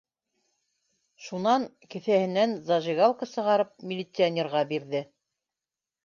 Шунан кеҫәһе- и ш зажигалка сығарып милиционерға бирҙе